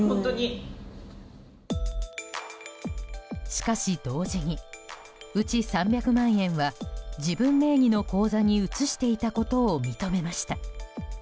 しかし同時にうち３００万円は自分名義の口座に移していたことを認めました。